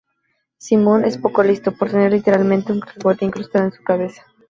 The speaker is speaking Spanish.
Simón es poco listo, por tener -literalmente- un cacahuete incrustado en su cabeza.